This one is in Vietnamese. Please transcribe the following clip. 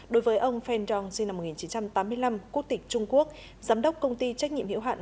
đối với ông feng dong sinh năm một nghìn chín trăm tám mươi năm quốc tịch trung quốc giám đốc công ty trách nhiệm hiệu hạn